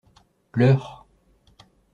Leur.